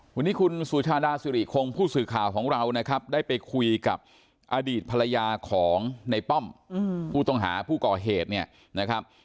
วันนี้คุณสุชาดาสิริคงผู้สื่อข่าวของเรานะครับได้ไปคุยกับอดีตภรรยาของในป้อมผู้ต้องหาผู้ก่อเหตุเนี่ยนะครับ